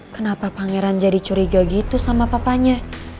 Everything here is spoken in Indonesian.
kenapa pangeran jadi curiga gitu sama papanya